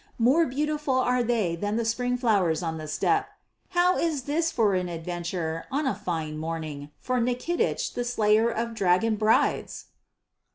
More beautiful are they than the spring flowers on the steppe. How is this for an adventure on a fine morning for Nikitich the slayer of dragon brides?"